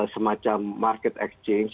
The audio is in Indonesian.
semacam market exchange